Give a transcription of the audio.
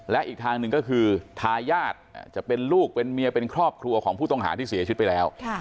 และอีกทางหนึ่งก็คือทายาทจะเป็นลูกเป็นเมียเป็นครอบครัวของผู้ต้องหาที่เสียชีวิตไปแล้ว